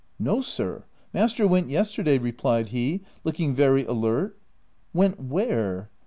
f * No sir, master went yesterday," replied he, looking very alert. '' Went where?"